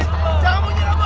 tidak ada apa apa